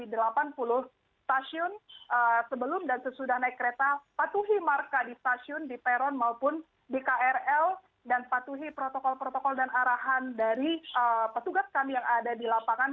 di delapan puluh stasiun sebelum dan sesudah naik kereta patuhi marka di stasiun di peron maupun di krl dan patuhi protokol protokol dan arahan dari petugas kami yang ada di lapangan